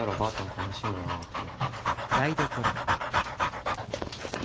悲しむなあと思って。